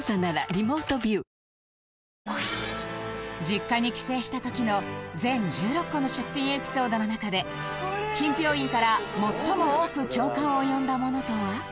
実家に帰省した時の全１６個の出品エピソードの中で品評員から最も多く共感を呼んだものとは？